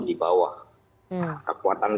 di bawah kekuatan